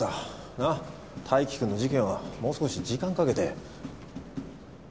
なっ泰生君の事件はもう少し時間かけて。